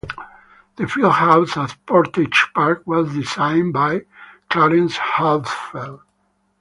The field house at Portage Park was designed by Clarence Hatzfeld.